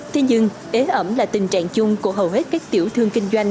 thế nhưng ế ẩm là tình trạng chung của hầu hết các tiểu thương kinh doanh